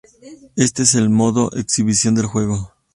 Este es el modo exhibición del juego.